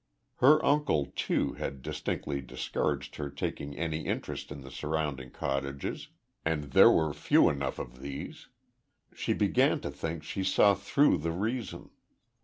Her uncle too, had distinctly discouraged her taking any interest in the surrounding cottages, and there were few enough of these. She began to think she saw through the reason.